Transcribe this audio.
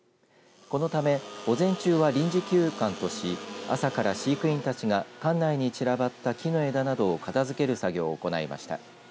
このため午前中は臨時休館とし朝から飼育員たちが館内に散らばった木の枝などを片づける作業を行いました。